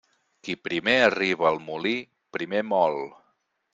Qui primer arriba al molí, primer mol.